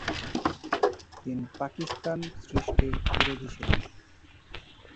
তিনি পাকিস্তান সৃষ্টির বিরোধী ছিলেন।